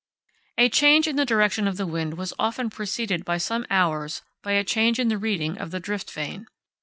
A change in the direction of the wind was often preceded by some hours by a change in the reading of the drift vane.